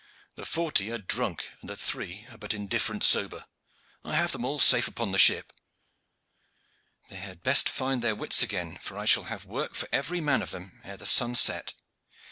The forty are drunk, and the three are but indifferent sober. I have them all safe upon the ship." "They had best find their wits again, for I shall have work for every man of them ere the sun set.